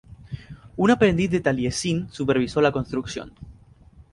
Un aprendiz de Taliesin supervisó la construcción.